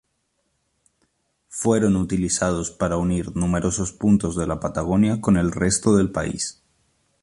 Fueron utilizados para unir numerosos puntos de la Patagonia con el resto del país.